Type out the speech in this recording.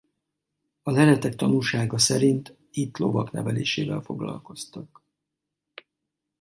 A leletek tanúsága szerint itt lovak nevelésével foglalkoztak.